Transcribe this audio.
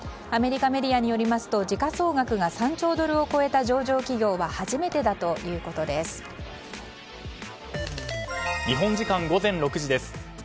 アメリカメディアによりますと時価総額が３兆ドルを超えた上場企業は日本時間午前６時です。